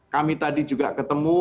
kami tadi juga ketemu